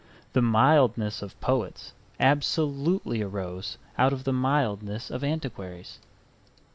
The mildness of poets absolutely arose out of the mildness of antiquaries.